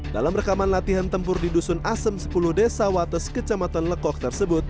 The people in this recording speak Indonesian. dalam rekaman latihan tempur di dusun asem sepuluh desa wates kecamatan lekok tersebut